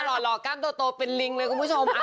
รอหรอกคั่งโต๊ะเป็นลิงเลยคุณผู้ชม